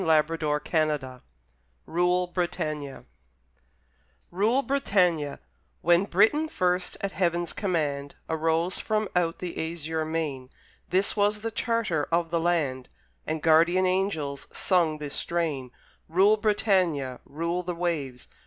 [Illustration: PIONEERS] RULE, BRITANNIA When Britain first, at Heaven's command, Arose from out the azure main, This was the charter of the land, And guardian angels sung this strain: Rule, Britannia, rule the waves!